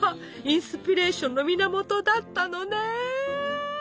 インスピレーションの源だったのね！